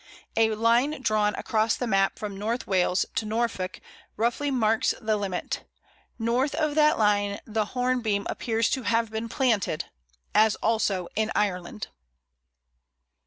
A line drawn across the map from North Wales to Norfolk roughly marks the limit; north of that line the Hornbeam appears to have been planted, as also in Ireland.